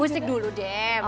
musik dulu deh masih